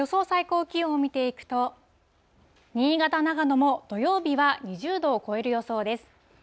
最高気温を見ていくと、新潟、長野も土曜日は２０度を超える予想です。